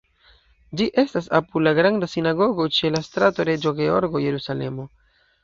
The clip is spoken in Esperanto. Ĝi estas apud la Granda Sinagogo ĉe la Strato Reĝo Georgo, Jerusalemo.